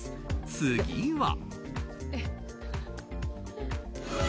次は。